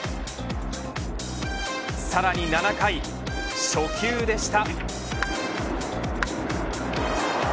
さらに７回初球でした。